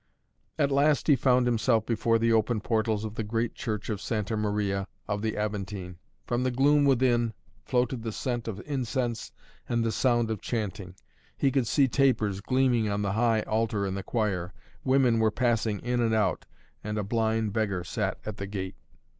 At last he found himself before the open portals of the great Church of Santa Maria of the Aventine. From the gloom within floated the scent of incense and the sound of chanting. He could see tapers gleaming on the high altar in the choir. Women were passing in and out, and a blind beggar sat at the gate.